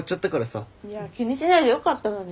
いや気にしないでよかったのに。